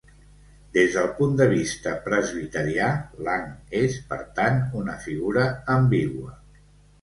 Des del punt de vista presbiterià, Lang és, per tant, una figura ambigua.